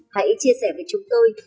hãy chia sẻ với chúng tôi